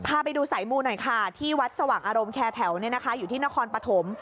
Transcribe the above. พาไปดูสายมูหน่อยค่ะที่วัดสว่างอารมณ์แคร์แถวอยู่ที่นครปฐม